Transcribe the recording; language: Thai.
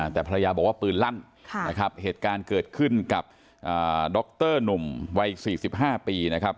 แต่พลัยยาบอกว่าปืนลั่นเหตุการณ์เกิดขึ้นกับดรหนุ่มวัย๔๕ปี